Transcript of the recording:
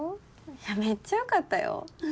めっちゃよかったよ